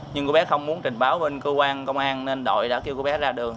nhưng cô bé không muốn trình báo bên cơ quan công an nên đội đã kêu cô bé ra đường